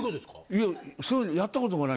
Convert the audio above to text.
いやそういうやった事がない。